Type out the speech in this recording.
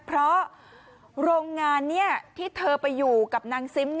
เพราะโรงงานที่เธอไปอยู่กับนางซิม